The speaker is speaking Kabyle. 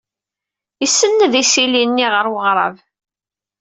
Isenned isili-nni ɣer weɣrab.